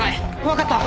分かった。